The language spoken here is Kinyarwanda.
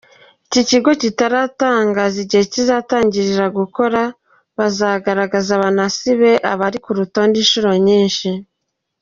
Iki kigo kitaratangaza igihe bazatangira gukoreraho bazagaragaza banasibe abagaragara ku rutonde inshuro nyinshi.